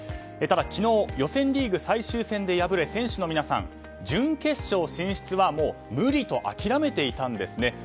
ただ昨日予選リーグ最終戦で敗れ選手の皆さん準決勝進出は無理と諦めていたんですね。